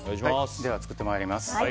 では作ってまいります。